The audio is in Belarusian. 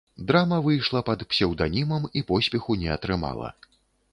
Драма выйшла пад псеўданімам і поспеху не атрымала.